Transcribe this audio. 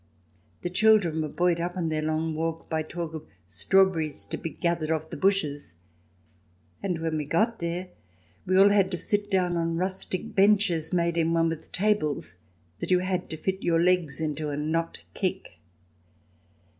The children were buoyed up on their long walk by talk of strawberries to be gathered off the bushes. And when we got there we all had to sit down on rustic benches made in one with tables that you had to fit your legs into and not kick.